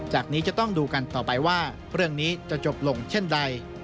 นี้จะต้องดูกันต่อไปว่าเรื่องนี้จะจบลงเช่นใด